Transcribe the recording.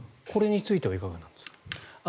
これについてはいかがですか？